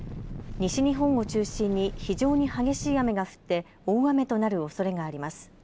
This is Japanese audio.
西日本を中心に非常に激しい雨が降って大雨となるおそれがあります。